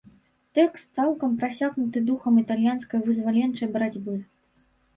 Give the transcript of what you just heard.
Тэкст цалкам прасякнуты духам італьянскай вызваленчай барацьбы.